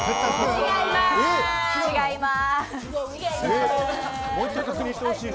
違います。